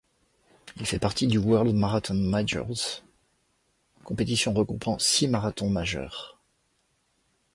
Il fait partie du World Marathon Majors, compétition regroupant six marathons majeurs.